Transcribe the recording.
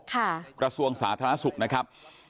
กระทรวงสาธารณสุขนะครับ